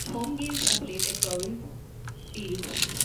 Home games are played at Towles Fields.